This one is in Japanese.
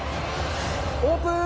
オープン！